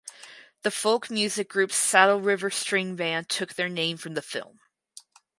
The folk music group Saddle River String Band took their name from the film.